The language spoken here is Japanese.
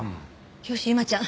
よし由真ちゃん